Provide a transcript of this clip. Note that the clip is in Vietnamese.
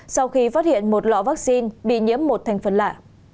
sau khi phát hiện một lọ vaccine bị nhiễm một thành phần lạ